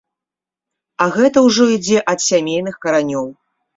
А гэта ўжо ідзе ад сямейных каранёў.